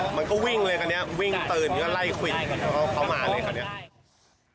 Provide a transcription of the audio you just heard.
มันก็วิ่งเลยคราวนี้วิ่งปืนก็ไล่ควิดเขามาเลยคราวนี้